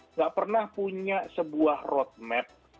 nggak pernah punya sebuah road map